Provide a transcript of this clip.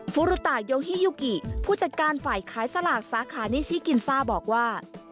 ฟุรุตาโยฮิยูกิผู้จัดการฝ่ายขายสลากสาขานิชิกินซ่าบอกว่า